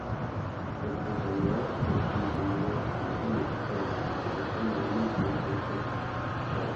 Keputusannya, seperti semua keputusan di Acorn, diputuskan melalui konsensus.